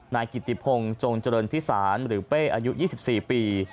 นายกิติพงศ์จงเจริญพิสารหรือเป้อายุ๒๔ปี